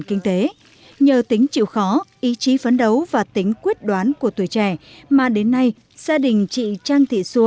kinh tế nhờ tính chịu khó ý chí phấn đấu và tính quyết đoán của tuổi trẻ mà đến nay gia đình